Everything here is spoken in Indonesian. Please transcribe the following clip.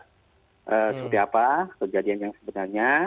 seperti apa kejadian yang sebenarnya